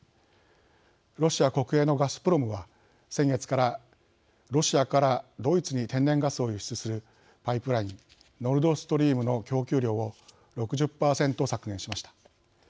ロシア国営のガスプロムは先月からロシアからドイツに天然ガスを輸出するパイプラインノルドストリームの供給量を６０％削減しました。